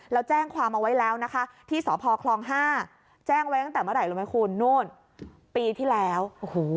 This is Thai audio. แล้วแจ้งความเอาไว้แล้วนะคะที่สพคลองห้าแจ้งไว้ตั้งแต่เมื่อไหร่รู้ไหมคุณนู่นปีที่แล้วโอ้โห